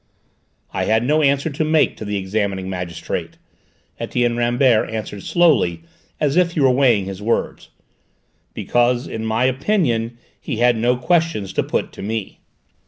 "I had no answer to make to the examining magistrate," Etienne Rambert answered slowly, as if he were weighing his words, "because in my opinion he had no questions to put to me!